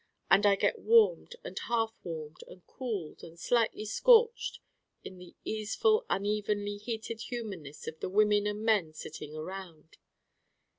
And I get warmed and half warmed and cooled and slightly scorched in the easeful unevenly heated humanness of the women and men sitting around.